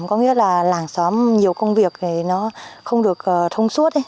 có nghĩa là làng xóm nhiều công việc thì nó không được thông suốt ấy